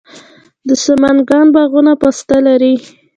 د سمنګان باغونه پسته لري.